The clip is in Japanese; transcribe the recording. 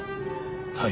はい。